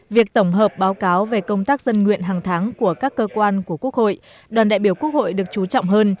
việc tổng hợp báo cáo về công tác dân nguyện hàng tháng của các cơ quan của quốc hội đoàn đại biểu quốc hội được chú trọng hơn